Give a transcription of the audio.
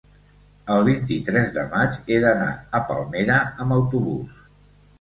El vint-i-tres de maig he d'anar a Palmera amb autobús.